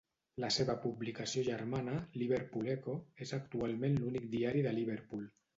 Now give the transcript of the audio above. La seva publicació germana, "Liverpool Echo", és actualment l'únic diari de Liverpool.